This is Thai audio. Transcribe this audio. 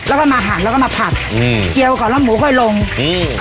แล้วก็มาหาแล้วก็มาผักอืมเจียวก่อนแล้วหมูก็จะลงอืม